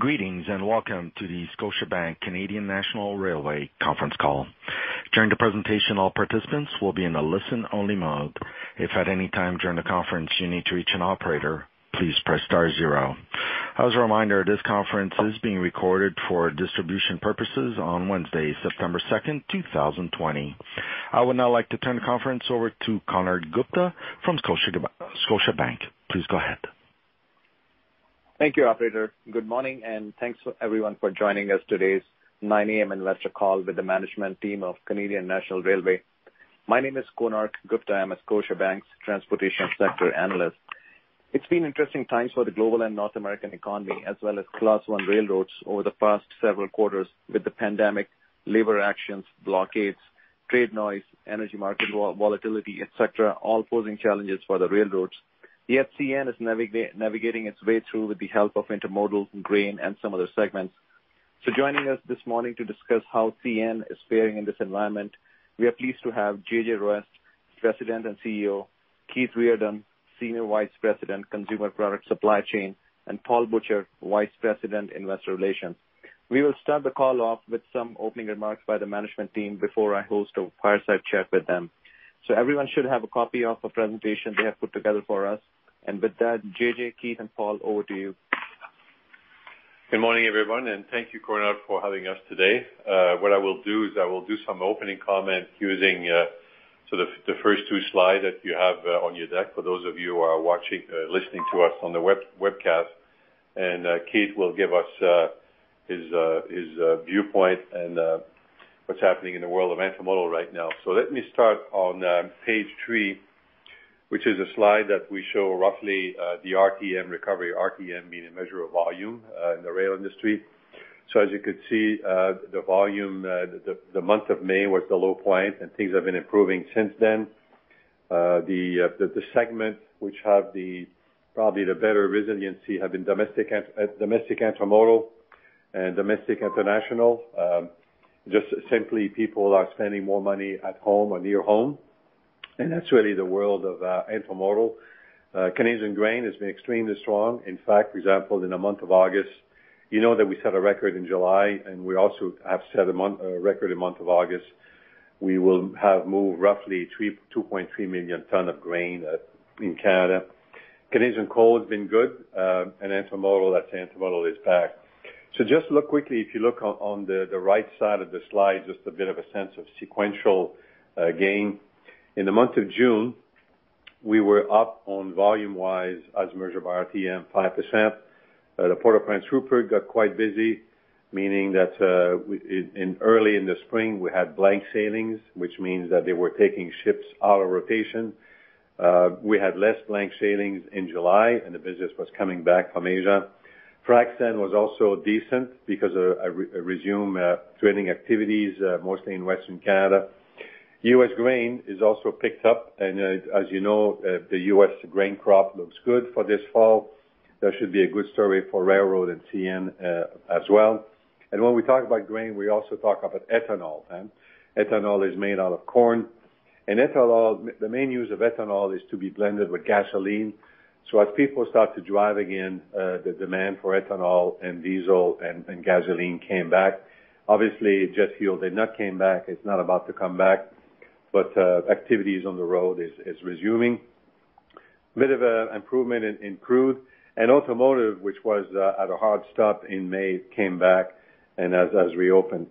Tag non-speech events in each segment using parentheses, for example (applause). Greetings, welcome to the Scotiabank Canadian National Railway conference call. During the presentation, all participants will be in a listen-only mode. As a reminder, this conference is being recorded for distribution purposes on Wednesday, September 2nd, 2020. I would now like to turn the conference over to Konark Gupta from Scotiabank. Please go ahead. Thank you, operator. Good morning. Thanks everyone for joining us. Today is 9:00 A.M. investor call with the management team of Canadian National Railway. My name is Konark Gupta. I am Scotiabank's Transportation Sector Analyst. It's been interesting times for the global and North American economy, as well as Class 1 railroads over the past several quarters with the pandemic, labor actions, blockades, trade noise, energy market volatility, et cetera, all posing challenges for the railroads. CN is navigating its way through with the help of Intermodal, Grain, and some other segments. Joining us this morning to discuss how CN is faring in this environment, we are pleased to have Jean-Jacques Ruest, President and CEO, Keith Reardon, Senior Vice President, Consumer Products Supply Chain, and Paul Butcher, Vice President, Investor Relations. We will start the call off with some opening remarks by the management team before I host a fireside chat with them. Everyone should have a copy of a presentation they have put together for us. With that, JJ, Keith, and Paul, over to you. Good morning, everyone, and thank you Konark for having us today. What I will do is I will do some opening comments using sort of the first two slides that you have on your deck for those of you who are listening to us on the webcast. Keith will give us his viewpoint on what's happening in the world of Intermodal right now. Let me start on page three, which is a slide that we show roughly the RTM recovery. RTM being a measure of volume in the rail industry. As you can see, the volume, the month of May was the low point, and things have been improving since then. The segment which have probably the better resiliency have been domestic Intermodal and [international Intermodal]. Just simply people are spending more money at home or near home, and that's really the world of Intermodal. Canadian Grain has been extremely strong. In fact, for example, in the month of August, you know that we set a record in July, and we also have set a record in the month of August. We will have moved roughly 2.3 million ton of grain in Canada. Canadian Coal has been good, Intermodal is back. Just look quickly, if you look on the right side of the slide, just a bit of a sense of sequential gain. In the month of June, we were up on volume-wise as a measure of RTM 5%. The Port of Prince Rupert got quite busy, meaning that early in the spring, we had blank sailings, which means that they were taking ships out of rotation. We had less blank sailings in July, the business was coming back from Asia. Frac sand was also decent because resumed trading activities, mostly in Western Canada. U.S. grain is also picked up, as you know, the U.S. grain crop looks good for this fall. That should be a good story for railroad and CN as well. When we talk about Grain, we also talk about ethanol. Ethanol is made out of corn, the main use of ethanol is to be blended with gasoline. As people start to drive again, the demand for ethanol and diesel and gasoline came back. Obviously, jet fuel did not come back. It's not about to come back, activities on the road is resuming. A bit of improvement in crude and automotive, which was at a hard stop in May, came back and has reopened.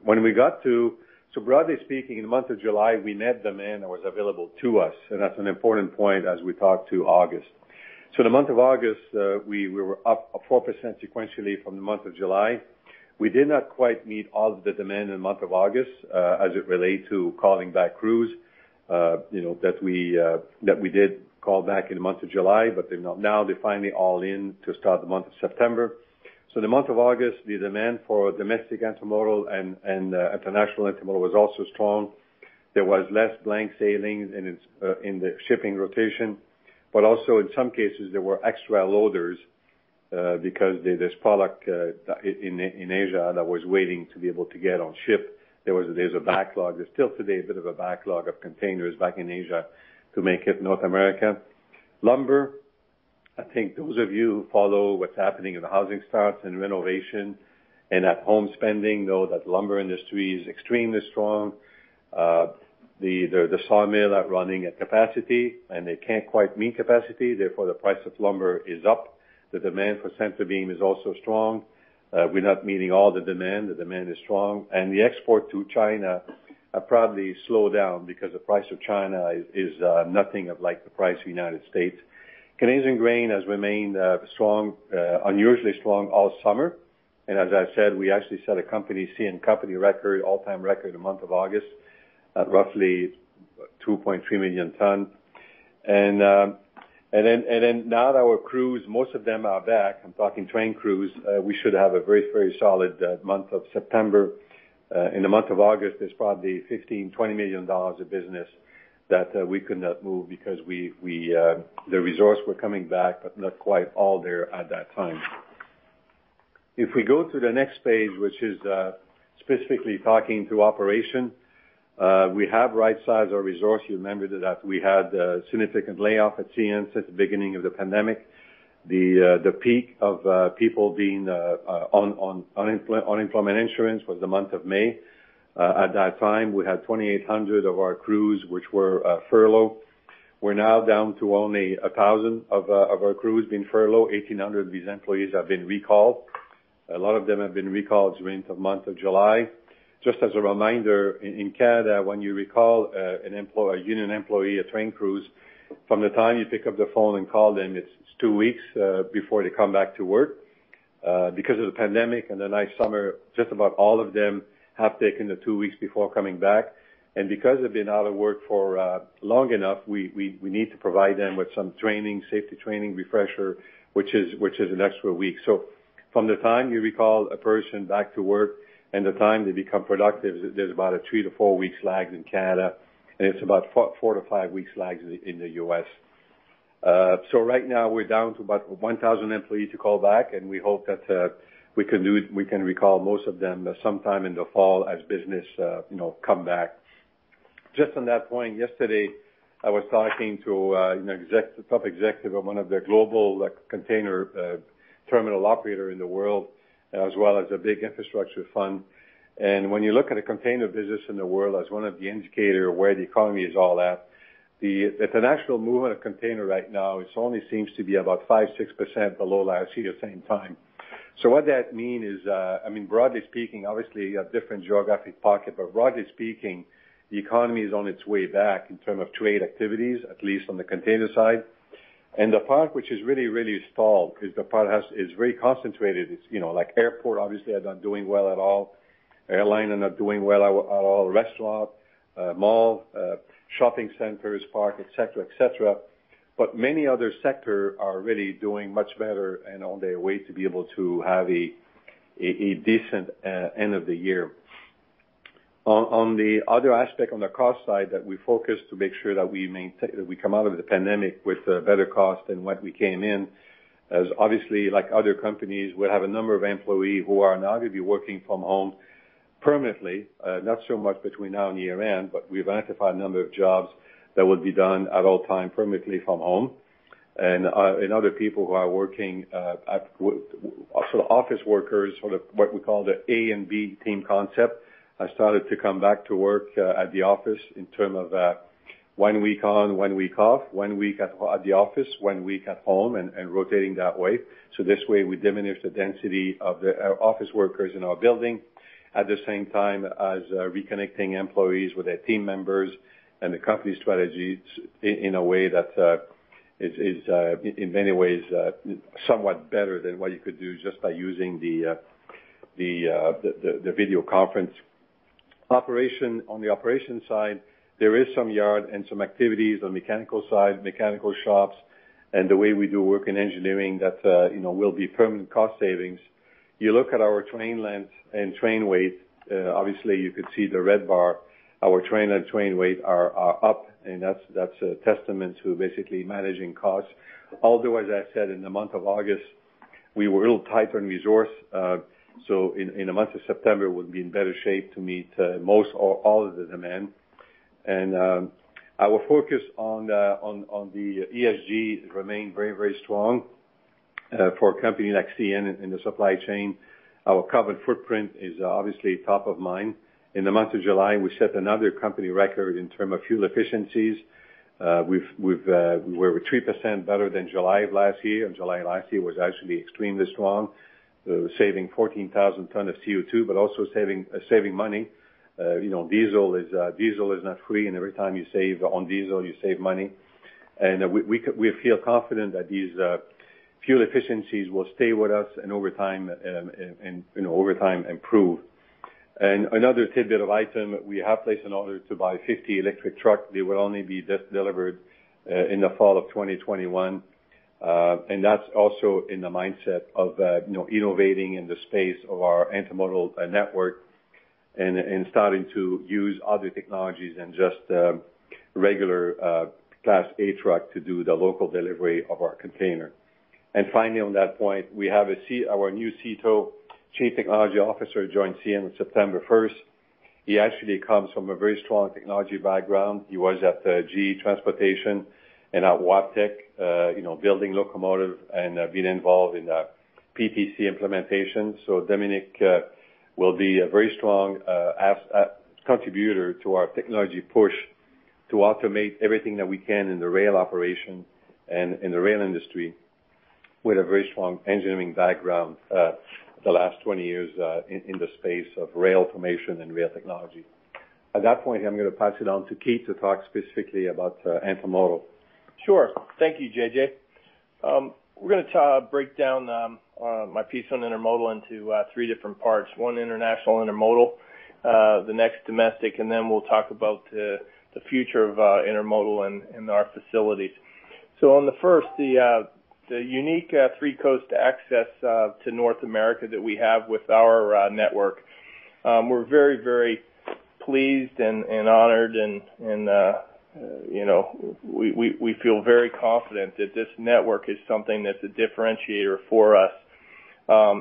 Broadly speaking, in the month of July, we met demand that was available to us, and that's an important point as we talk to August. The month of August, we were up 4% sequentially from the month of July. We did not quite meet all of the demand in the month of August as it relates to calling back crews that we did call back in the month of July, but now they're finally all in to start the month of September. The month of August, the demand for domestic Intermodal and international Intermodal was also strong. There was less blank sailings in the shipping rotation, but also in some cases, there were extra loaders because there's product in Asia that was waiting to be able to get on ship. There's a backlog. There's still today a bit of a backlog of containers back in Asia to make it North America. Lumber, I think those of you who follow what's happening in the housing starts and renovation and at-home spending know that lumber industry is extremely strong. The sawmills are running at capacity, they can't quite meet capacity. Therefore, the price of lumber is up. The demand for center beam is also strong. We're not meeting all the demand. The demand is strong. The export to China probably slowed down because the price of China is nothing like the price of the United States. Canadian Grain has remained unusually strong all summer. As I said, we actually set a CN company record, all-time record in the month of August at roughly 2.3 million ton. Now our crews, most of them are back. I'm talking train crews. We should have a very solid month of September. In the month of August, there's probably 15 million to 20 million dollars of business that we could not move because the resources were coming back, but not quite all there at that time. If we go to the next page, which is specifically talking to operation. We have right-sized our resource. You remember that we had a significant layoff at CN since the beginning of the pandemic. The peak of people being on unemployment insurance was the month of May. At that time, we had 2,800 of our crews which were furloughed. We're now down to only 1,000 of our crews being furloughed. 1,800 of these employees have been recalled. A lot of them have been recalled during the month of July. Just as a reminder, in Canada, when you recall a union employee, a train crew, from the time you pick up the phone and call them, it's two weeks before they come back to work. Because of the pandemic and the nice summer, just about all of them have taken the two weeks before coming back. Because they've been out of work for long enough, we need to provide them with some safety training refresher, which is an extra week. From the time you recall a person back to work and the time they become productive, there's about a three- to four-week lag in Canada, and it's about four to five weeks lag in the U.S. Right now, we're down to about 1,000 employees to call back, and we hope that we can recall most of them sometime in the fall as business comes back. Just on that point, yesterday, I was talking to a top executive of one of the global container terminal operator in the world, as well as a big infrastructure fund. When you look at the container business in the world as one of the indicators of where the economy is all at, the international movement of container right now, it only seems to be about 5%, 6% below last year's same time. What that means is, broadly speaking, obviously, you have different geographic pockets, but broadly speaking, the economy is on its way back in terms of trade activities, at least on the container side. The part which is really stalled is the part that is very concentrated. Like airport, obviously, are not doing well at all. Airline are not doing well at all. Restaurant, mall, shopping centers, park, et cetera. Many other sectors are really doing much better and on their way to be able to have a decent end of the year. On the other aspect, on the cost side that we focus to make sure that we come out of the pandemic with better cost than what we came in, as obviously, like other companies, we have a number of employees who are now going to be working from home permanently. Not so much between now and year-end, but we've identified a number of jobs that will be done at all time permanently from home. Other people who are working, office workers, what we call the A and B team concept, have started to come back to work at the office in terms of one week on, one week off, one week at the office, one week at home, and rotating that way. This way, we diminish the density of the office workers in our building, at the same time as reconnecting employees with their team members and the company strategies in a way that is, in many ways, somewhat better than what you could do just by using the video conference. On the operations side, there is some yard and some activities on mechanical side, mechanical shops, and the way we do work in engineering that will be permanent cost savings. You look at our train length and train weight, obviously you could see the red bar. Our train length, train weight are up, and that's a testament to basically managing costs. As I said, in the month of August, we were a little tight on resource, so in the month of September, we'll be in better shape to meet most or all of the demand. Our focus on the ESG remained very strong. For a company like CN in the supply chain, our carbon footprint is obviously top of mind. In the month of July, we set another company record in terms of fuel efficiencies. We were 3% better than July of last year, and July of last year was actually extremely strong. Saving 14,000 tons of CO2, but also saving money. Diesel is not free, and every time you save on diesel, you save money. We feel confident that these fuel efficiencies will stay with us, and over time, improve. Another tidbit of item, we have placed an order to buy 50 electric trucks. They will only be delivered in the fall of 2021. That's also in the mindset of innovating in the space of our Intermodal network and starting to use other technologies than just regular Class A truck to do the local delivery of our container. Finally, on that point, our new CTO, Chief Technology Officer, joined CN on September 1st. He actually comes from a very strong technology background. He was at GE Transportation and at Wabtec, building locomotive and being involved in PTC implementation. Dominique will be a very strong contributor to our technology push to automate everything that we can in the rail operation and in the rail industry with a very strong engineering background the last 20 years in the space of rail formation and rail technology. That point, I'm going to pass it on to Keith to talk specifically about Intermodal. Sure. Thank you, JJ. We're going to break down my piece on Intermodal into three different parts, one international Intermodal, the next domestic, and then we'll talk about the future of Intermodal and our facilities. On the first, the unique three-coast access to North America that we have with our network. We're very pleased and honored, and we feel very confident that this network is something that's a differentiator for us.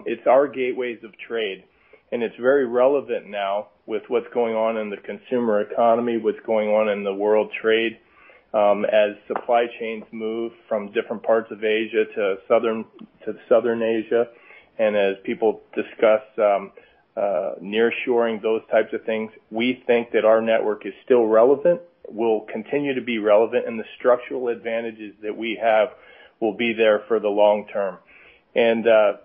It's our gateways of trade, and it's very relevant now with what's going on in the consumer economy, what's going on in the world trade, as supply chains move from different parts of Asia to Southern Asia, and as people discuss nearshoring, those types of things. We think that our network is still relevant, will continue to be relevant, and the structural advantages that we have will be there for the long term. To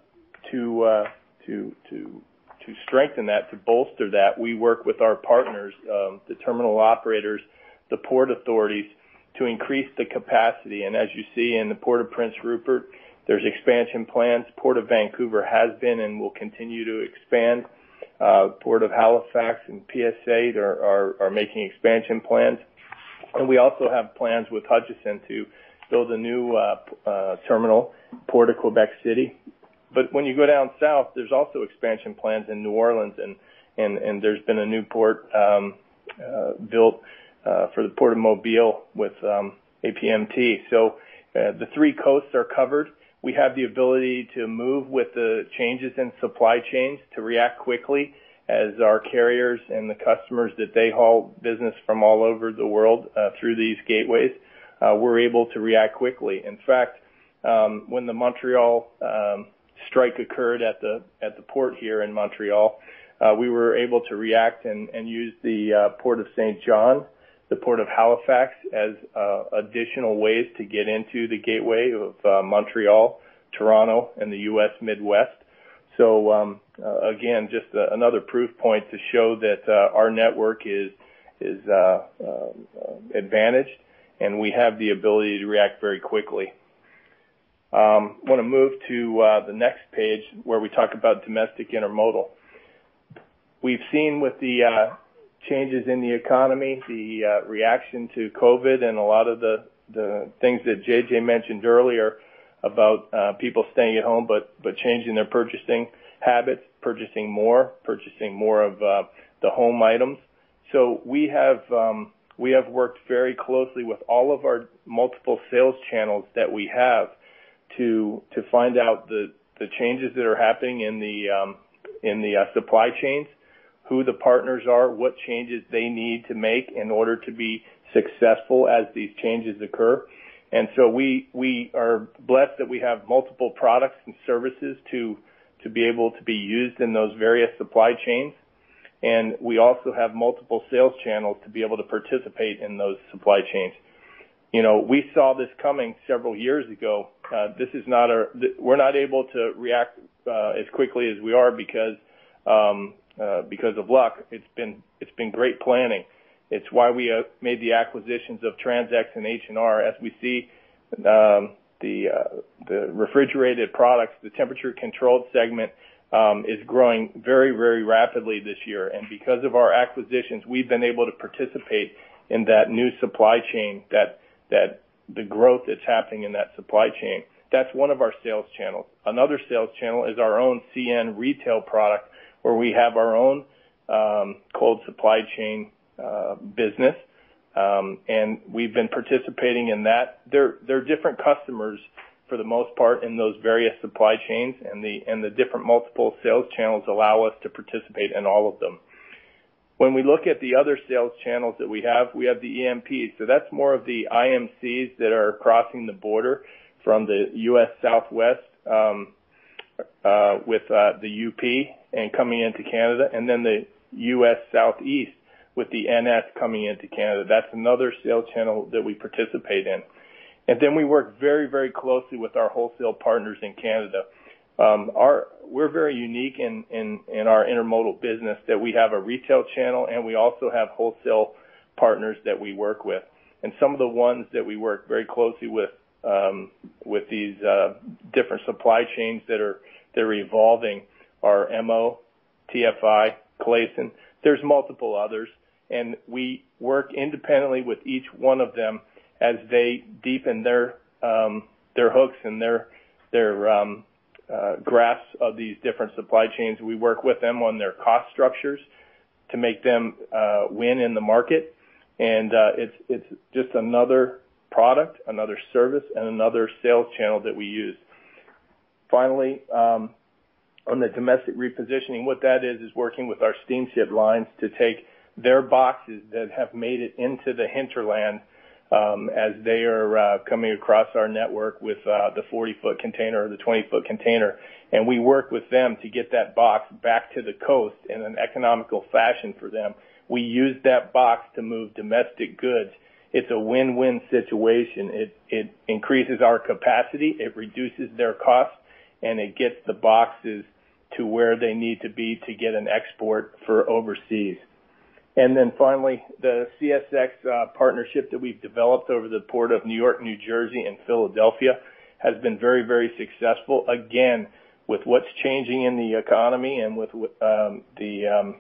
strengthen that, to bolster that, we work with our partners, the terminal operators, the Port Authorities, to increase the capacity. As you see in the Port of Prince Rupert, there's expansion plans. Port of Vancouver has been and will continue to expand. Port of Halifax and PSA are making expansion plans. We also have plans with Hutchison to build a new terminal, Port of Quebec City. When you go down south, there's also expansion plans in New Orleans, and there's been a new port built for the Port of Mobile with APMT. The three coasts are covered. We have the ability to move with the changes in supply chains, to react quickly as our carriers and the customers that they haul business from all over the world through these gateways, we're able to react quickly. In fact, when the Montreal strike occurred at the port here in Montreal, we were able to react and use the Port of Saint John, the Port of Halifax, as additional ways to get into the gateway of Montreal, Toronto, and the U.S. Midwest. Again, just another proof point to show that our network is advantaged, and we have the ability to react very quickly. I want to move to the next page, where we talk about domestic Intermodal. We've seen with the changes in the economy, the reaction to COVID, and a lot of the things that JJ mentioned earlier about people staying at home but changing their purchasing habits, purchasing more of the home items. We have worked very closely with all of our multiple sales channels that we have to find out the changes that are happening in the supply chains, who the partners are, what changes they need to make in order to be successful as these changes occur. We are blessed that we have multiple products and services to be able to be used in those various supply chains. We also have multiple sales channels to be able to participate in those supply chains. We saw this coming several years ago. We're not able to react as quickly as we are because of luck. It's been great planning. It's why we made the acquisitions of TransX and H&R. As we see, the refrigerated products, the temperature controlled segment, is growing very rapidly this year. Because of our acquisitions, we've been able to participate in that new supply chain, the growth that's happening in that supply chain. That's one of our sales channels. Another sales channel is our own CN retail product, where we have our own Cold supply chain business. We've been participating in that. They're different customers, for the most part, in those various supply chains, and the different multiple sales channels allow us to participate in all of them. When we look at the other sales channels that we have, we have the EMP. That's more of the IMCs that are crossing the border from the U.S. Southwest, with the UP and coming into Canada, then the U.S. Southeast with the NS coming into Canada. That's another sales channel that we participate in. We work very closely with our wholesale partners in Canada. We're very unique in our Intermodal business that we have a retail channel, we also have wholesale partners that we work with. Some of the ones that we work very closely with these different supply chains that are evolving are M-O, TFI, Clason. There's multiple others, we work independently with each one of them as they deepen their hooks and their grasps of these different supply chains. We work with them on their cost structures to make them win in the market, it's just another product, another service, and another sales channel that we use. Finally, on the domestic repositioning, what that is working with our steamship lines to take their boxes that have made it into the hinterland as they are coming across our network with the 40-foot container or the 20-foot container, and we work with them to get that box back to the coast in an economical fashion for them. We use that box to move domestic goods. It's a win-win situation. It increases our capacity, it reduces their costs, and it gets the boxes to where they need to be to get an export for overseas. Finally, the CSX partnership that we've developed over the Port of New York, New Jersey, and Philadelphia has been very successful. Again, with what's changing in the economy and with the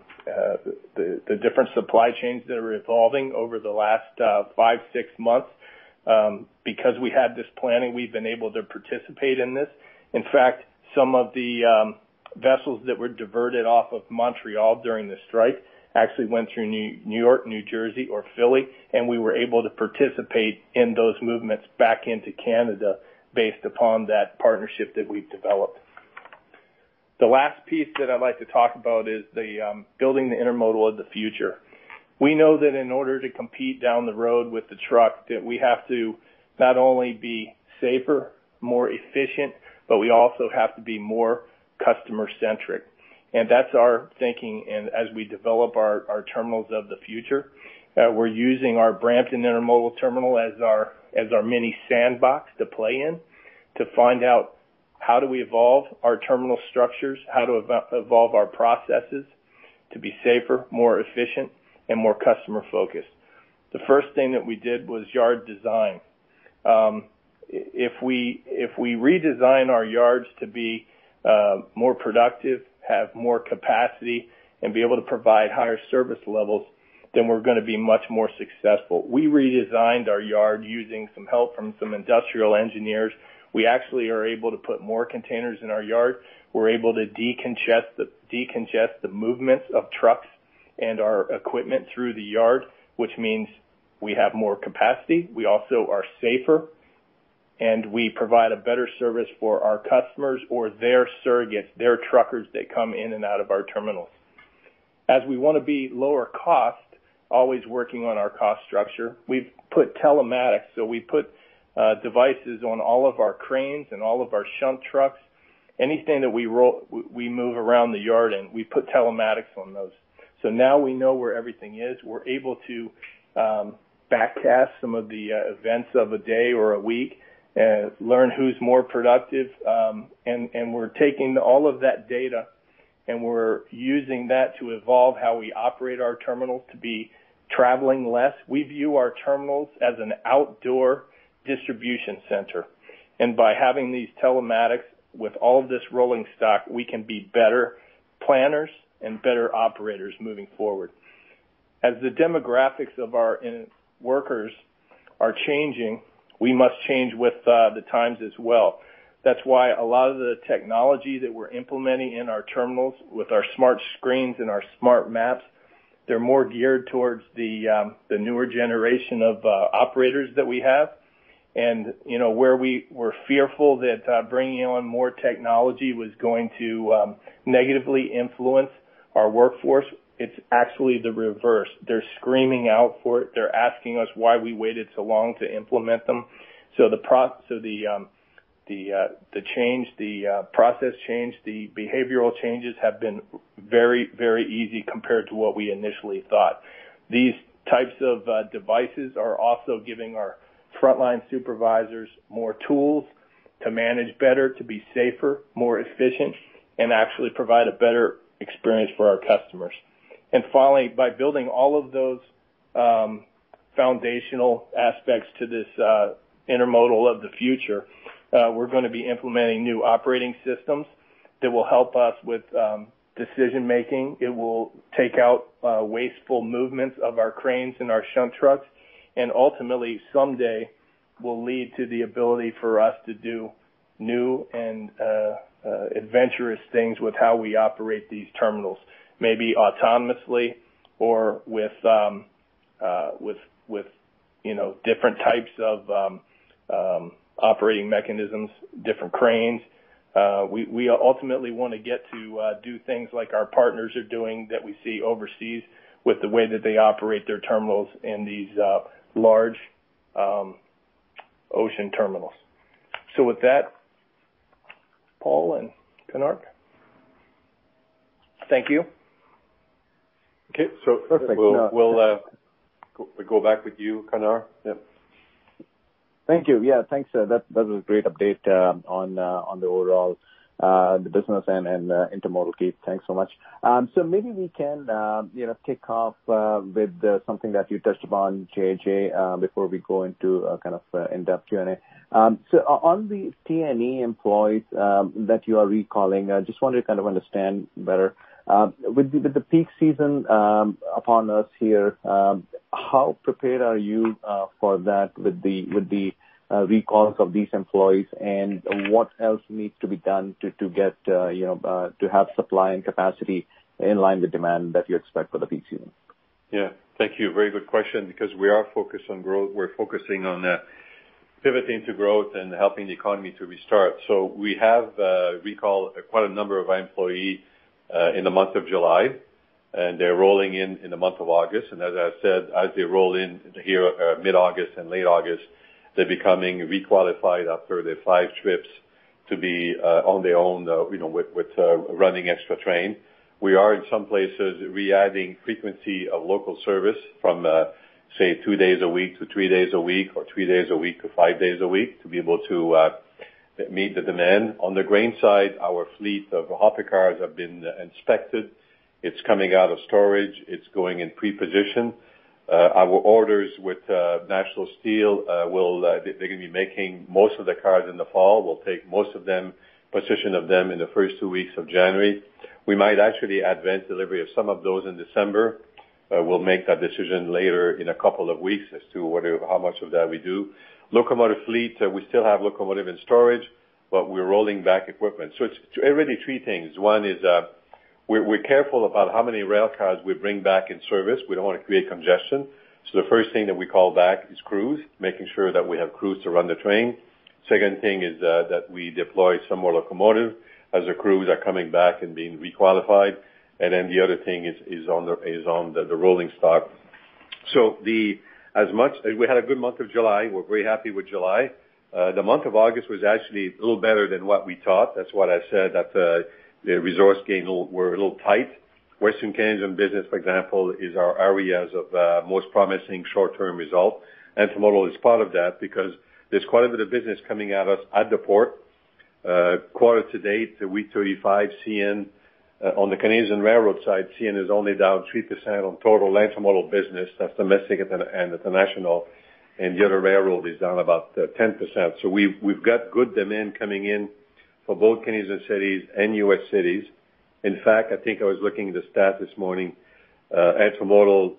different supply chains that are evolving over the last five, six months, because we had this planning, we've been able to participate in this. In fact, some of the vessels that were diverted off of Montreal during the strike actually went through New York, New Jersey, or Philly, and we were able to participate in those movements back into Canada based upon that partnership that we've developed. The last piece that I'd like to talk about is building the Intermodal of the future. We know that in order to compete down the road with the truck, that we have to not only be safer, more efficient, but we also have to be more customer-centric. That's our thinking and as we develop our terminals of the future, we're using our Brampton Intermodal terminal as our mini sandbox to play in to find out how do we evolve our terminal structures, how to evolve our processes to be safer, more efficient, and more customer-focused. The first thing that we did was yard design. If we redesign our yards to be more productive, have more capacity, and be able to provide higher service levels, then we're going to be much more successful. We redesigned our yard using some help from some industrial engineers. We actually are able to put more containers in our yard. We're able to decongest the movements of trucks and our equipment through the yard, which means we have more capacity. We also are safer, and we provide a better service for our customers or their surrogates, their truckers that come in and out of our terminals. As we want to be lower cost, always working on our cost structure, we've put telematics. We put devices on all of our cranes and all of our shunt trucks. Anything that we move around the yard in, we put telematics on those. Now we know where everything is. We're able to backcast some of the events of a day or a week, learn who's more productive, and we're taking all of that data, and we're using that to evolve how we operate our terminals to be traveling less. We view our terminals as an outdoor distribution center, and by having these telematics with all this rolling stock, we can be better planners and better operators moving forward. As the demographics of our workers are changing, we must change with the times as well. That's why a lot of the technology that we're implementing in our terminals with our smart screens and our smart maps, they're more geared towards the newer generation of operators that we have. Where we were fearful that bringing on more technology was going to negatively influence our workforce, it's actually the reverse. They're screaming out for it. They're asking us why we waited so long to implement them. The process change, the behavioral changes have been very easy compared to what we initially thought. These types of devices are also giving our frontline supervisors more tools to manage better, to be safer, more efficient, and actually provide a better experience for our customers. Finally, by building all of those foundational aspects to this Intermodal of the future, we're going to be implementing new operating systems that will help us with decision-making. It will take out wasteful movements of our cranes and our shunt trucks, and ultimately, someday, will lead to the ability for us to do new and adventurous things with how we operate these terminals, maybe autonomously or with different types of operating mechanisms, different cranes. We ultimately want to get to do things like our partners are doing that we see overseas with the way that they operate their terminals in these large ocean terminals. With that, Paul and Konark, thank you. Okay. We'll go back with you, Konark. Yep. Thank you. Yeah, thanks. That was a great update on the overall business and Intermodal, Keith. Thanks so much. Maybe we can kick off with something that you touched upon, JJ, before we go into kind of in-depth Q&A. On the T&E employees that you are recalling, I just wanted to kind of understand better. With the peak season upon us here, how prepared are you for that with the recalls of these employees, and what else needs to be done to have supply and capacity in line with demand that you expect for the peak season? Yeah. Thank you. Very good question because we are focused on growth. We're focusing on pivoting to growth and helping the economy to restart. We have recalled quite a number of our employees in the month of July, and they're rolling in in the month of August. As I said, as they roll in here mid-August and late August, they're becoming re-qualified after their five trips to be on their own with running extra trains. We are, in some places, re-adding frequency of local service from, say, two days a week to three days a week, or three days a week to five days a week, to be able to meet the demand. On the Grain side, our fleet of hopper cars have been inspected. It's coming out of storage. It's going in pre-position. Our orders with National Steel Car, they're going to be making most of the cars in the fall. We'll take most of them, position of them in the first two weeks of January. We might actually advance delivery of some of those in December. We'll make that decision later in a couple of weeks as to how much of that we do. Locomotive fleets, we still have locomotive in storage, we're rolling back equipment. It's really three things. One is, we're careful about how many rail cars we bring back in service. We don't want to create congestion. The first thing that we call back is crews, making sure that we have crews to run the train. Second thing is that we deploy some more locomotives as the crews are coming back and being re-qualified. The other thing is on the rolling stock. We had a good month of July. We're very happy with July. The month of August was actually a little better than what we thought. That's why I said that the resource gains were a little tight. Western Canadian business, for example, is our areas of most promising short-term result. Intermodal is part of that because there's quite a bit of business coming at us at the port. Quarter to date, week 35, on the Canadian railroad side, CN is only down 3% on total Intermodal business. That's domestic and international, and the other railroad is down about 10%. We've got good demand coming in for both Canadian cities and U.S. cities. In fact, I think I was looking at the stats this morning, Intermodal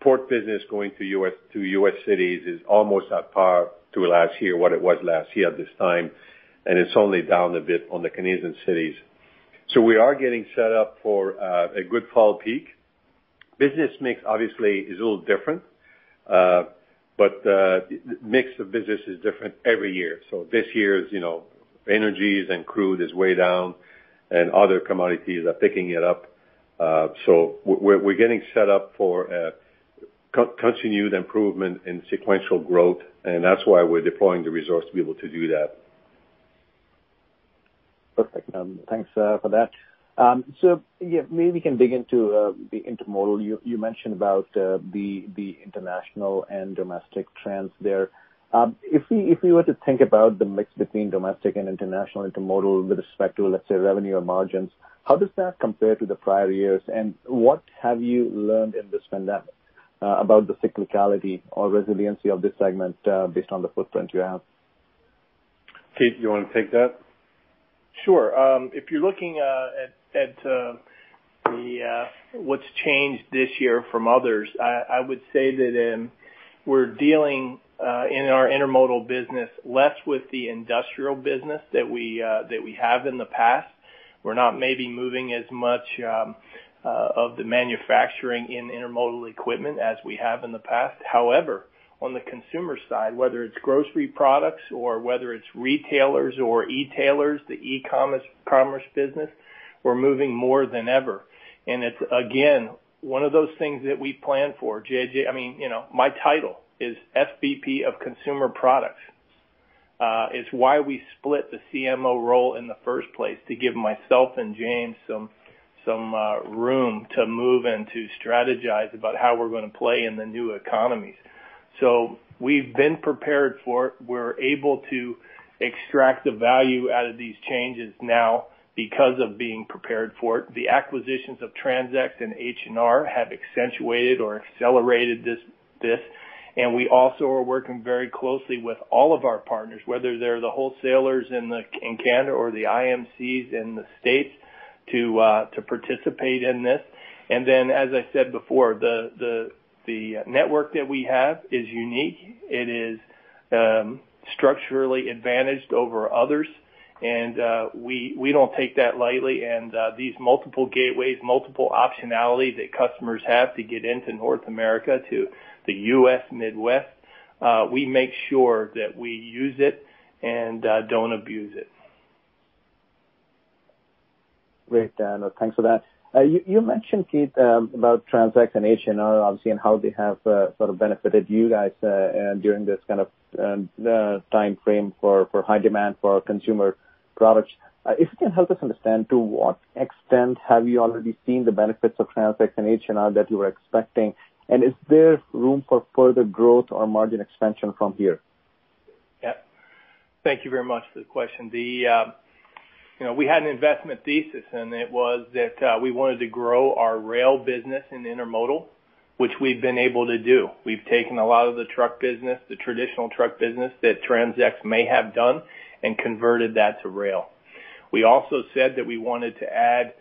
port business going to U.S. cities is almost at par to what it was last year at this time, and it's only down a bit on the Canadian cities. We are getting set up for a good fall peak. Business mix obviously is a little different. The mix of business is different every year. This year is energies and crude is way down and other commodities are picking it up. We're getting set up for continued improvement in sequential growth, and that's why we're deploying the resource to be able to do that. Perfect. Thanks for that. Yeah, maybe we can dig into the Intermodal. You mentioned about the international and domestic trends there. If we were to think about the mix between domestic and international Intermodal with respect to, let's say, revenue or margins, how does that compare to the prior years? What have you learned in this pandemic about the cyclicality or resiliency of this segment based on the footprint you have? Keith, you want to take that? Sure. If you're looking at what's changed this year from others, I would say that we're dealing, in our Intermodal business, less with the industrial business that we have in the past. We're not maybe moving as much of the manufacturing in Intermodal equipment as we have in the past. However, on the consumer side, whether it's grocery products or whether it's retailers or e-tailers, the e-commerce business, we're moving more than ever. It's, again, one of those things that we plan for, JJ. My title is SVP of Consumer Products. It's why we split the CMO role in the first place, to give myself and James some room to move and to strategize about how we're going to play in the new economies. We've been prepared for it. We're able to extract the value out of these changes now because of being prepared for it. The acquisitions of TransX and H&R have accentuated or accelerated this. We also are working very closely with all of our partners, whether they're the wholesalers in Canada or the IMCs in the U.S., to participate in this. Then, as I said before, the network that we have is unique. It is structurally advantaged over others, and we don't take that lightly. These multiple gateways, multiple optionality that customers have to get into North America, to the U.S. Midwest, we make sure that we use it and don't abuse it. Great. Thanks for that. You mentioned, Keith, about TransX and H&R, obviously, and how they have sort of benefited you guys during this kind of time frame for high demand for consumer products. If you can help us understand, to what extent have you already seen the benefits of TransX and H&R that you were expecting, and is there room for further growth or margin expansion from here? Yeah. Thank you very much for the question. We had an investment thesis. It was that we wanted to grow our Rail business in Intermodal, which we've been able to do. We've taken a lot of the truck business, the traditional truck business that TransX may have done, converted that to rail. We also said that we wanted to add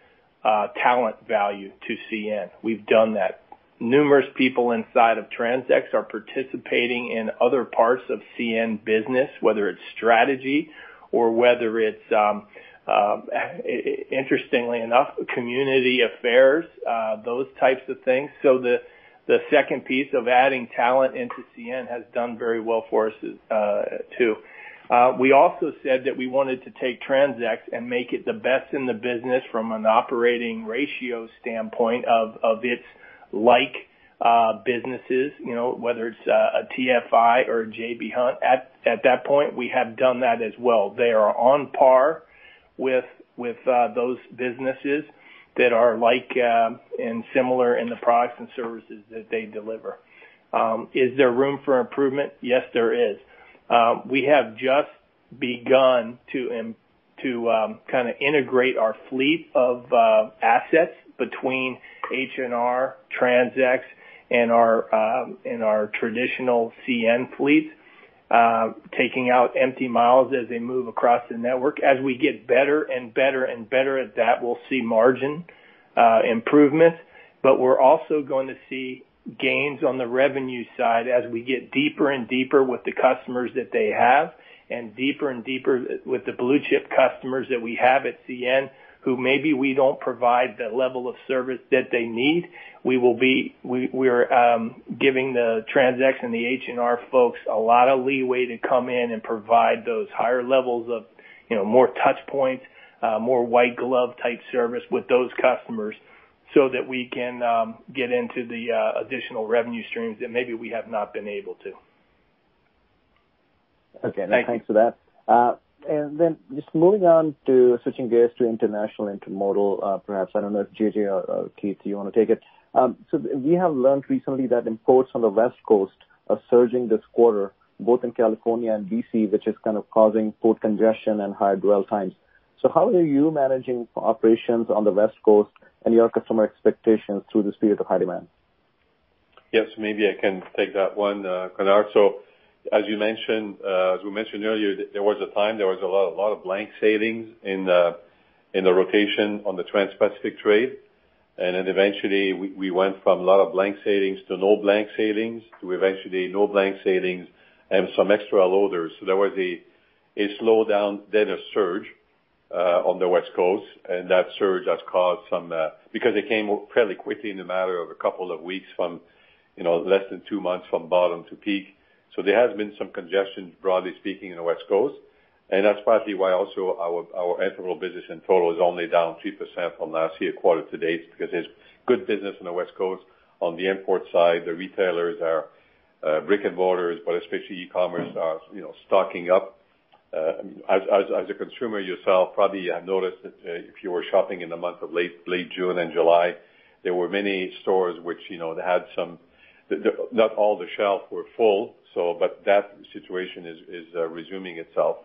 talent value to CN. We've done that. Numerous people inside of TransX are participating in other parts of CN business, whether it's strategy or whether it's, interestingly enough, community affairs, those types of things. The second piece of adding talent into CN has done very well for us, too. We also said that we wanted to take TransX and make it the best in the business from an operating ratio standpoint of its like businesses, whether it's a TFI or a J.B. Hunt. At that point, we have done that as well. They are on par with those businesses that are like and similar in the products and services that they deliver. Is there room for improvement? Yes, there is. We have just begun to kind of integrate our fleet of assets between H&R, TransX, and our traditional CN fleet. Taking out empty miles as they move across the network. As we get better and better at that, we'll see margin improvement, but we're also going to see gains on the revenue side as we get deeper and deeper with the customers that they have, and deeper and deeper with the blue-chip customers that we have at CN, who maybe we don't provide the level of service that they need. We are giving the TransX and the H&R folks a lot of leeway to come in and provide those higher levels of more touch points, more white glove type service with those customers so that we can get into the additional revenue streams that maybe we have not been able to. Okay. Thank you. Thanks for that. Just moving on to switching gears to international Intermodal, perhaps, I don't know if JJ or Keith, you want to take it. We have learned recently that imports on the West Coast are surging this quarter, both in California and BC, which is kind of causing port congestion and high dwell times. How are you managing operations on the West Coast and your customer expectations through this period of high demand? Yes, maybe I can take that one, Konark. As we mentioned earlier, there was a time there was a lot of blank sailings in the rotation on the Trans-Pacific trade. Eventually, we went from a lot of blank sailings to no blank sailings, to eventually no blank sailings and some extra loaders. There was a slowdown, then a surge, on the West Coast, because it came fairly quickly in a matter of a couple of weeks from less than two months from bottom to peak. There has been some congestion, broadly speaking, in the West Coast, and that's partly why also our Intermodal business in total is only down 3% from last year quarter-to-date, because there's good business on the West Coast. On the import side, the retailers are brick-and-mortars, but especially e-commerce, are stocking up. As a consumer yourself, probably you have noticed that if you were shopping in the month of late June and July, there were many stores which, not all the shelves were full, but that situation is resuming itself.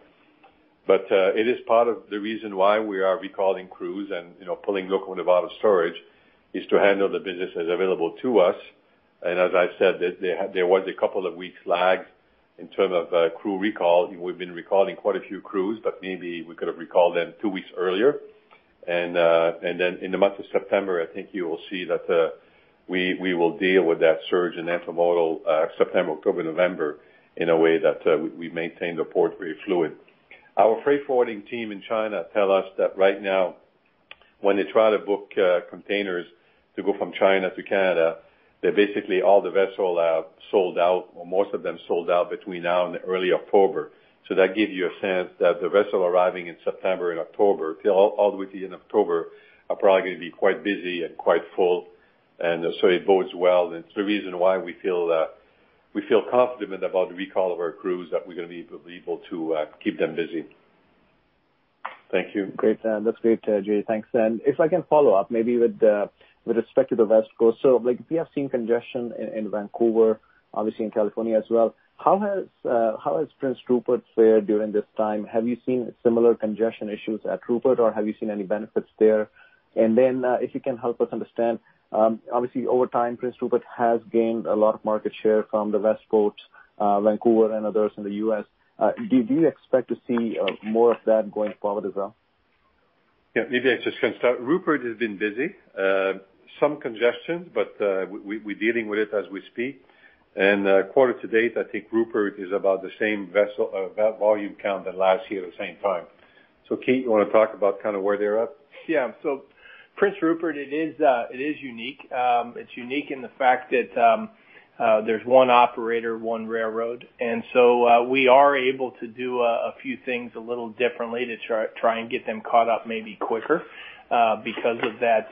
It is part of the reason why we are recalling crews and pulling local and out-of-storage is to handle the business that is available to us. As I said, there was a couple of weeks lag in term of crew recall. We've been recalling quite a few crews, but maybe we could have recalled them two weeks earlier. In the month of September, I think you will see that we will deal with that surge in Intermodal, September, October, November, in a way that we maintain the port very fluid. Our freight forwarding team in China tell us that right now, when they try to book containers to go from China to Canada, they basically, all the vessels are sold out, or most of them sold out between now and early October. That gives you a sense that the vessel arriving in September and October, till all the way to the end of October, are probably going to be quite busy and quite full. It bodes well, and it's the reason why we feel confident about the recall of our crews, that we're going to be able to keep them busy. Thank you. Great. That's great, JJ, thanks. If I can follow up, maybe with respect to the West Coast. Like, we have seen congestion in Vancouver, obviously in California as well. How has Prince Rupert fared during this time? Have you seen similar congestion issues at Rupert, or have you seen any benefits there? If you can help us understand, obviously, over time, Prince Rupert has gained a lot of market share from the West Coast, Vancouver, and others in the U.S. Do you expect to see more of that going forward as well? Yeah, maybe I just can start. Rupert has been busy. Some congestion, we're dealing with it as we speak. Quarter to date, I think Rupert is about the same volume count than last year at the same time. Keith, you want to talk about kind of where they're at? Yeah. Prince Rupert, it is unique. It's unique in the fact that there's one operator, one railroad. We are able to do a few things a little differently to try and get them caught up maybe quicker, because of that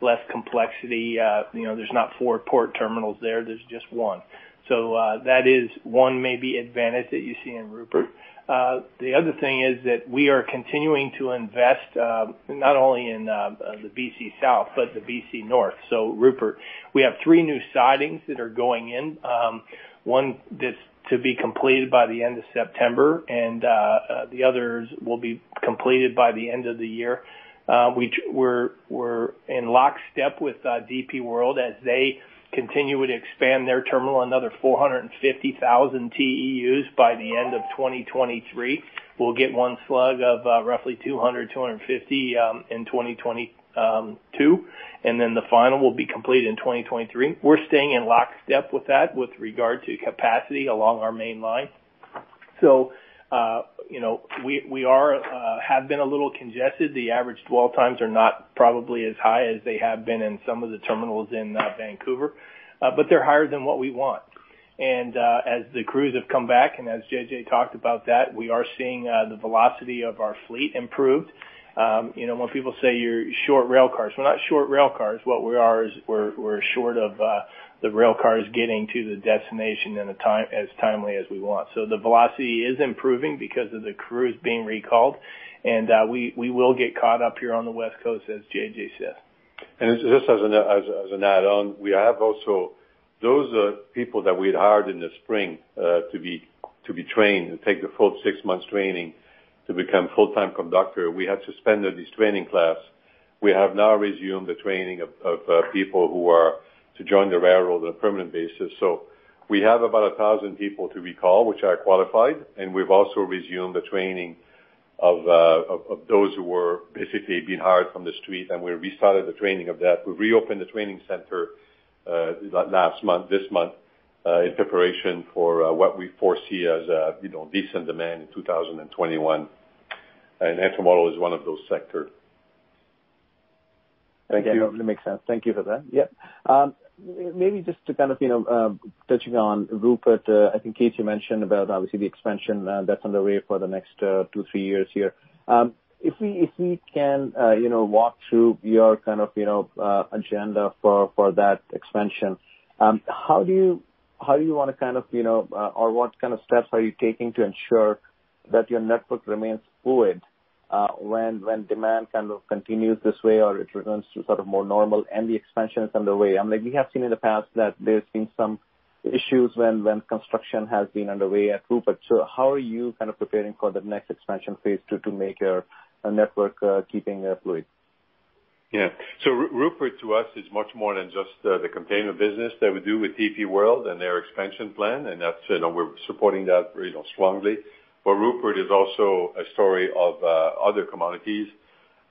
less complexity. There's not four port terminals there's just one. That is one maybe advantage that you see in Rupert. The other thing is that we are continuing to invest, not only in the BC South but the BC North, so Rupert. We have three new sidings that are going in. One that's to be completed by the end of September, and the others will be completed by the end of the year. We're in lockstep with DP World as they continue to expand their terminal, another 450,000 TEUs by the end of 2023. We'll get one slug of roughly 200,000-250,000 in 2022, and then the final will be completed in 2023. We're staying in lockstep with that with regard to capacity along our main line. We have been a little congested. The average dwell times are not probably as high as they have been in some of the terminals in Vancouver. They're higher than what we want. As the crews have come back, and as JJ talked about that, we are seeing the velocity of our fleet improve. When people say you're short rail cars, we're not short rail cars. What we are is, we're short of the rail cars getting to the destination as timely as we want. The velocity is improving because of the crews being recalled, and we will get caught up here on the West Coast, as JJ said. Just as an add-on, we have also those people that we had hired in the spring to be trained and take the full six months training to become full-time conductor, we had suspended this training class. We have now resumed the training of people who are to join the railroad on a permanent basis. We have about 1,000 people to recall, which are qualified, and we've also resumed the training of those who were basically being hired from the street, and we restarted the training of that. We reopened the training center last month, this month, in preparation for what we foresee as a decent demand in 2021. Intermodal is one of those sectors. Thank you. That definitely makes sense. Thank you for that. Maybe just to kind of touching on Rupert, I think, Keith, you mentioned about obviously the expansion that's underway for the next two, three years here. If we can walk through your agenda for that expansion, what kind of steps are you taking to ensure that your network remains fluid, when demand kind of continues this way, or it returns to sort of more normal and the expansion is underway? We have seen in the past that there's been some issues when construction has been underway at Rupert. How are you kind of preparing for the next expansion phase to make your network keeping fluid? Yeah. Rupert to us is much more than just the container business that we do with DP World and their expansion plan, and we're supporting that strongly. Rupert is also a story of other commodities.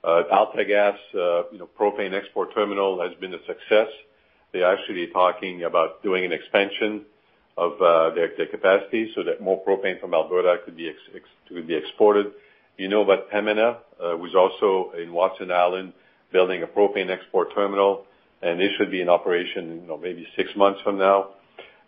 AltaGas propane export terminal has been a success. They're actually talking about doing an expansion of their capacity so that more propane from Alberta could be exported. Vopak was also in Watson Island building a propane export terminal, and this should be in operation maybe 6 months from now.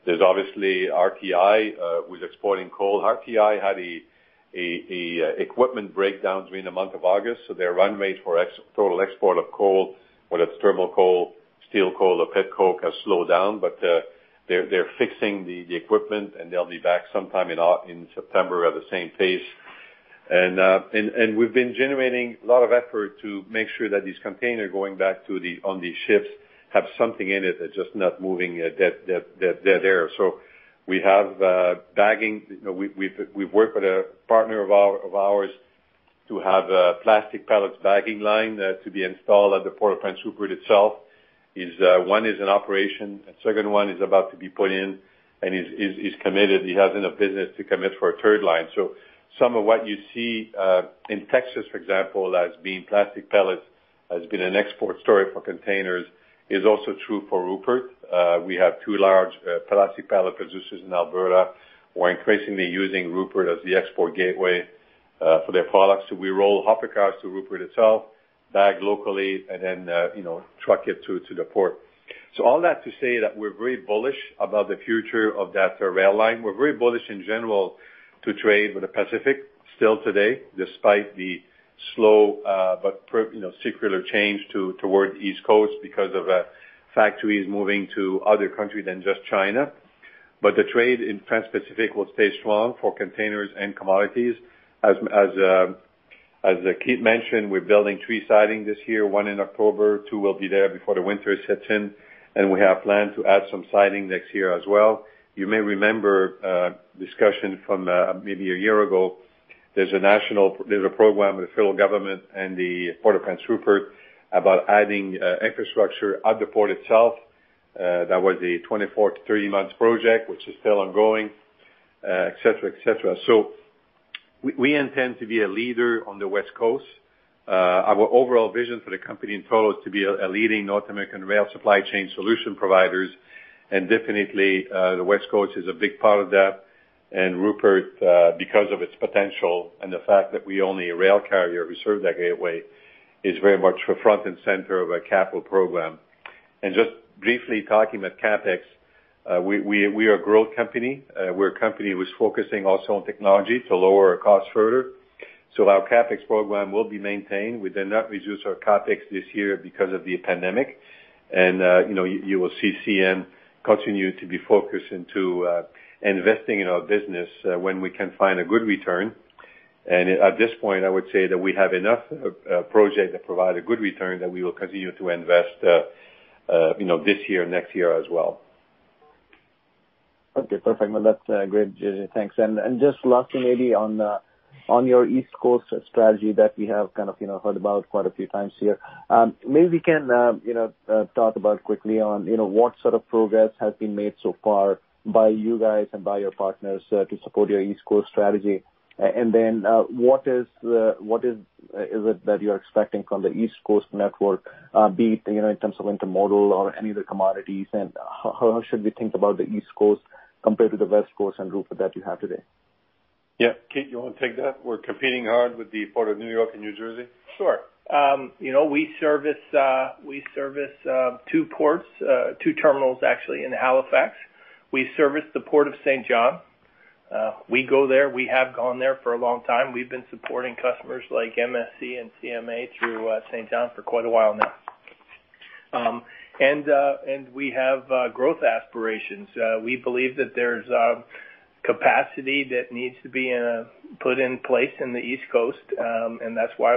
There's obviously RTI, who's exporting coal. RTI had a equipment breakdown during the month of August, their run rate for total export of coal, whether it's thermal coal, steel coal or pet coke has slowed down. They're fixing the equipment, and they'll be back sometime in September at the same pace. We've been generating a lot of effort to make sure that these containers going back on these ships have something in it, they're just not moving dead air. We have bagging. We've worked with a partner of ours to have a plastic pellets bagging line to be installed at the Port of Prince Rupert itself. One is in operation, a second one is about to be put in and is committed. He has enough business to commit for a third line. Some of what you see in Texas, for example, as being plastic pellets, has been an export story for containers, is also true for Rupert. We have two large plastic pellet producers in Alberta who are increasingly using Rupert as the export gateway for their products. We roll hopper cars to Rupert itself, bag locally, and then truck it to the port. All that to say that we're very bullish about the future of that rail line. We're very bullish in general to trade with the Pacific still today, despite the slow but secular change toward East Coast because of factories moving to other countries than just China. The trade in Trans-Pacific will stay strong for containers and commodities. As Keith mentioned, we're building three sidings this year, one in October, two will be there before the winter sets in, and we have plans to add some siding next year as well. You may remember a discussion from maybe a year ago. There's a program with the federal government and the Port of Prince Rupert about adding infrastructure at the port itself. That was a 24-30 months project, which is still ongoing, et cetera. We intend to be a leader on the West Coast. Our overall vision for the company in total is to be a leading North American rail supply chain solution providers. Definitely, the West Coast is a big part of that. Rupert, because of its potential and the fact that we own a rail carrier who serve that gateway, is very much front and center of our CapEx program. Just briefly talking about CapEx, we are a growth company. We're a company who's focusing also on technology to lower our costs further. Our CapEx program will be maintained. We did not reduce our CapEx this year because of the pandemic. You will see CN continue to be focused into investing in our business when we can find a good return. At this point, I would say that we have enough projects that provide a good return that we will continue to invest this year, next year as well. Okay, perfect. Well, that's great. Thanks. Just lastly, maybe on your East Coast strategy that we have kind of heard about quite a few times here. Maybe we can talk about quickly on what sort of progress has been made so far by you guys and by your partners to support your East Coast strategy. Then, what is it that you're expecting from the East Coast network, be it in terms of Intermodal or any of the commodities? How should we think about the East Coast compared to the West Coast and Rupert that you have today? Yeah. Keith, you want to take that? We're competing hard with the Port of New York and New Jersey. Sure. We service two ports, two terminals, actually, in Halifax. We service the Port of Saint John. We go there. We have gone there for a long time. We've been supporting customers like MSC and CMA through Saint John for quite a while now. We have growth aspirations. We believe that there's capacity that needs to be put in place in the East Coast, and that's why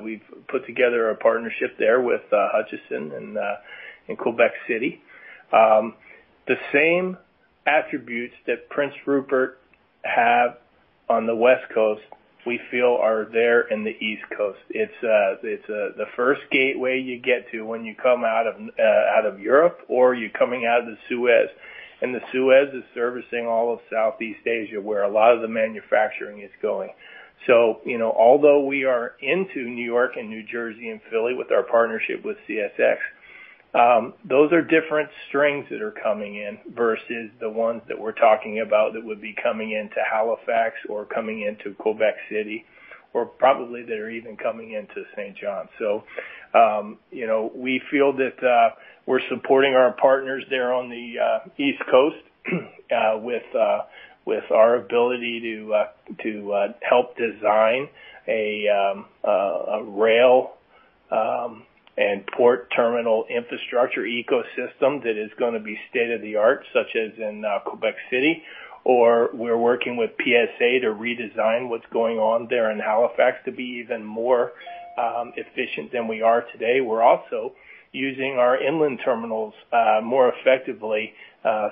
we've put together a partnership there with Hutchison in Quebec City. The same attributes that Prince Rupert have on the West Coast, we feel are there in the East Coast. It's the first gateway you get to when you come out of Europe or you're coming out of the Suez. The Suez is servicing all of Southeast Asia, where a lot of the manufacturing is going. Although we are into New York and New Jersey and Philly with our partnership with CSX, those are different strains that are coming in versus the ones that we're talking about that would be coming into Halifax or coming into Quebec City, or probably that are even coming into Saint John. We feel that we're supporting our partners there on the East Coast with our ability to help design a rail and port terminal infrastructure ecosystem that is going to be state-of-the-art, such as in Quebec City, or we're working with PSA to redesign what's going on there in Halifax to be even more efficient than we are today. We're also using our inland terminals more effectively.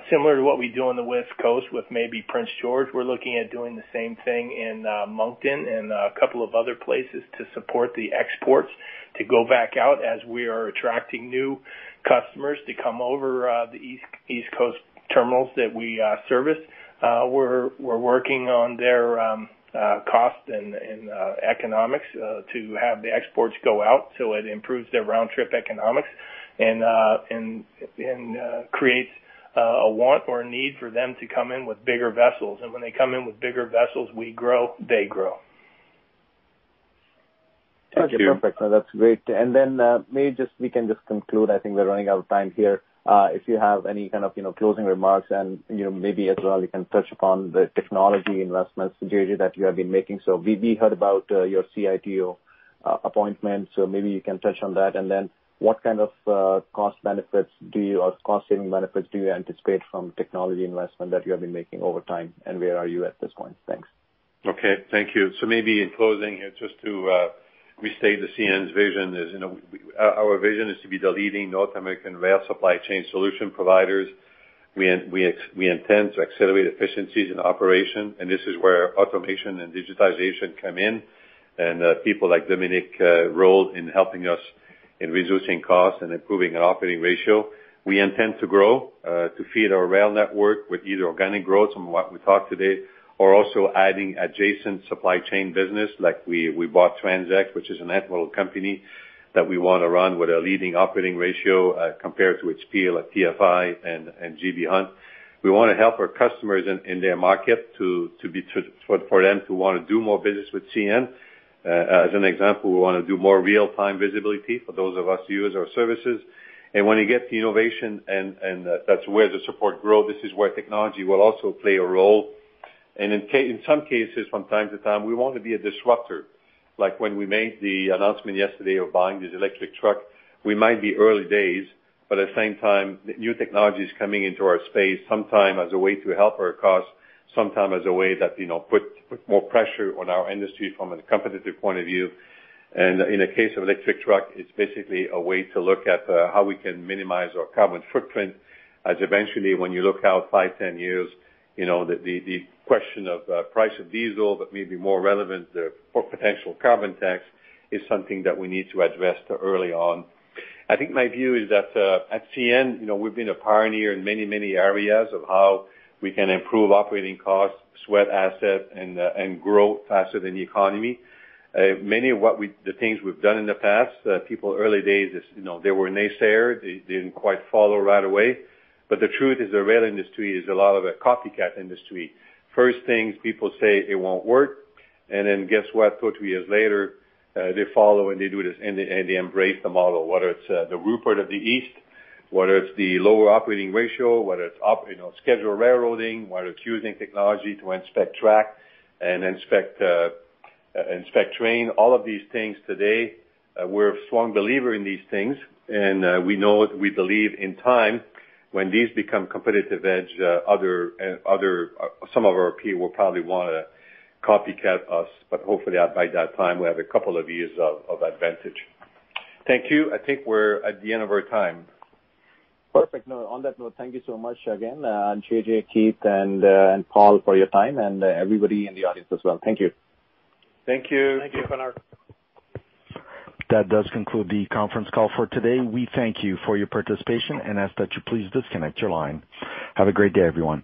Similar to what we do on the West Coast with maybe Prince George, we're looking at doing the same thing in Moncton and a couple of other places to support the exports to go back out as we are attracting new customers to come over the East Coast terminals that we service. We're working on their cost and economics to have the exports go out, so it improves their round trip economics and creates a want or a need for them to come in with bigger vessels. When they come in with bigger vessels, we grow, they grow. Thank you. Perfect. No, that's great. Maybe we can just conclude, I think we're running out of time here. If you have any kind of closing remarks and maybe as well you can touch upon the technology investments, JJ, that you have been making. We heard about your CITO appointment, maybe you can touch on that. What kind of cost benefits do you, or cost-saving benefits do you anticipate from technology investment that you have been making over time, and where are you at this point? Thanks. Thank you. Maybe in closing here, just to restate the CN's vision is, our vision is to be the leading North American rail supply chain solution providers. We intend to accelerate efficiencies in operation, and this is where automation and digitization come in, and people like Dominique role in helping us in reducing costs and improving our operating ratio. We intend to grow, to feed our rail network with either organic growth from what we talked today or also adding adjacent supply chain business. We bought TransX, which is a (audio distortion) company that we want to run with a leading operating ratio compared to its peer like TFI and J.B. Hunt. We want to help our customers in their market for them to want to do more business with CN. As an example, we want to do more real-time visibility for those of us who use our services. When you get the innovation and that's where the support grow, this is where technology will also play a role. In some cases, from time to time, we want to be a disruptor. Like when we made the announcement yesterday of buying this electric truck, we might be early days, but at the same time, new technology is coming into our space, sometimes as a way to help our cause, sometimes as a way that put more pressure on our industry from a competitive point of view. In the case of electric truck, it's basically a way to look at how we can minimize our carbon footprint, as eventually, when you look out five, 10 years, the question of price of diesel that may be more relevant or potential carbon tax is something that we need to address early on. I think my view is that, at CN, we've been a pioneer in many, many areas of how we can improve operating costs, sweat asset, and grow faster than the economy. Many of the things we've done in the past, people early days, they were naysayers. They didn't quite follow right away. The truth is, the rail industry is a lot of a copycat industry. First thing is people say it won't work, and then guess what? Two, three years later, they follow and they do this and they embrace the model, whether it's the Rupert of the East, whether it's the lower operating ratio, whether it's scheduled railroading, whether it's using technology to inspect track and inspect train, all of these things today, we're a strong believer in these things, and we know, we believe in time, when these become competitive edge, some of our peer will probably want to copycat us. Hopefully by that time, we have a couple of years of advantage. Thank you. I think we're at the end of our time. Perfect. On that note, thank you so much again, JJ, Keith, and Paul, for your time, and everybody in the audience as well. Thank you. Thank you. Thank you. Thank you, Konark. That does conclude the conference call for today. We thank you for your participation and ask that you please disconnect your line. Have a great day, everyone.